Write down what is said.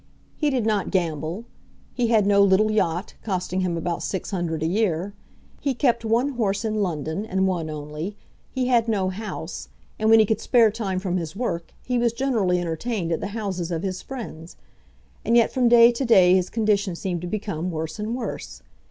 He did not gamble. He had no little yacht, costing him about six hundred a year. He kept one horse in London, and one only. He had no house. And when he could spare time from his work, he was generally entertained at the houses of his friends. And yet from day to day his condition seemed to become worse and worse.